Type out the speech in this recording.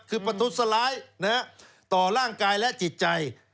คือประทุษร้ายต่อร่างกายและจิตใจ